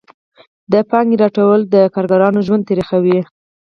د پانګې راټولېدل د کارګرانو ژوند تریخوي